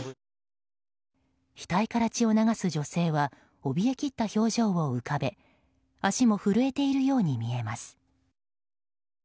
額から血を流す女性はおびえきった表情を浮かべ足も震えているように見えます。